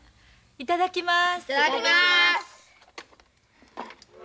いただきます。